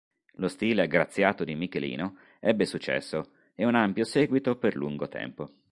Lo stile aggraziato di Michelino ebbe successo e un ampio seguito per lungo tempo.